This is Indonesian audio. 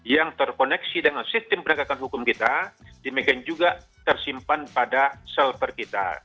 yang terkoneksi dengan sistem penegakan hukum kita demikian juga tersimpan pada selver kita